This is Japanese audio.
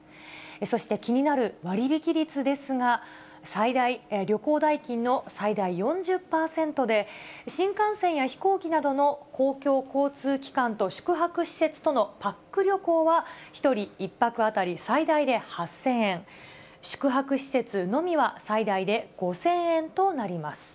そして、気になる割引率ですが、最大、旅行代金の最大４０％で、新幹線や飛行機などの公共交通機関と宿泊施設とのパック旅行は、１人１泊当たり最大で８０００円、宿泊施設のみは最大で５０００円となります。